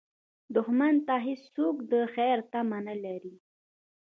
دښمن ته هېڅوک د خیر تمه نه لري